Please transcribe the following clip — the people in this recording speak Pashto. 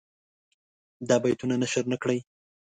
دا بیتونه نشر نه کړي.